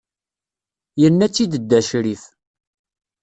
Yenna-tt-id dda Ccrif.